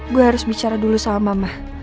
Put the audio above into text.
gue harus bicara dulu sama mama